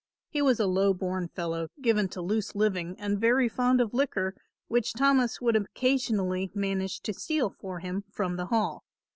He was a low born fellow given to loose living and very fond of liquor, which Thomas would occasionally manage to steal for him from the Hall.